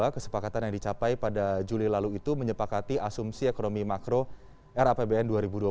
kesepakatan yang dicapai pada juli lalu itu menyepakati asumsi ekonomi makro rapbn dua ribu dua puluh